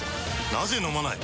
なぜ飲まない？